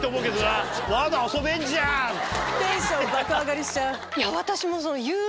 テンション爆上がりしちゃう。